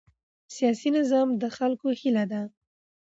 سیاسي نظام د خلکو هیله ده